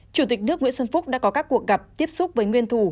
chủ tịch nước nguyễn xuân phúc đã có các cuộc gặp tiếp xúc với nguyên thủ